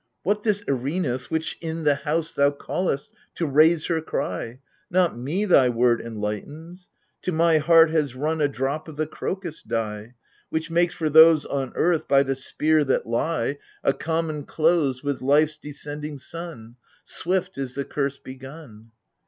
What this Erinus which i' the house thou callest To raise her cry ? Not me thy word enlightens ! To my heart has run A drop of the crocus dye : Which makes for those On earth by the spear that lie, AGAMEMNON. 93 A common close With life's descending sun. Swift is the curse begun